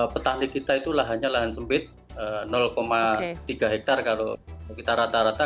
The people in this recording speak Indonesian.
petani kita itu lahannya lahan sempit tiga hektare kalau kita rata rata